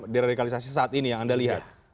deradikalisasi saat ini yang anda lihat